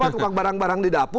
empat tukang barang barang di dapur